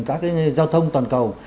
các cái giao thông toàn cầu